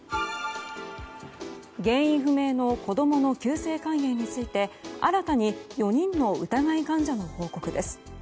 原因不明の子供の急性肝炎について新たに４人の疑い患者の報告です。